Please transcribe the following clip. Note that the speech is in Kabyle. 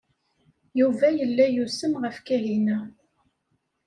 Yuba yella yusem ɣef Kahina.